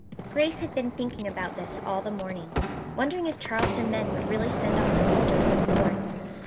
Grace had been thinking about this all the morning, wondering if Charleston men would really send off the soldiers in the forts.